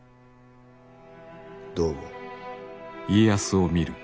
どう思う？